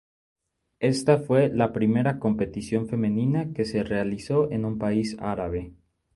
Esta fue la primera competición femenina que se realizó en un país árabe.